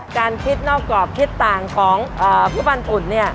การคิดนอกกรอบคิดต่างของเอ่อผู้ฟันปุ่นเนี่ย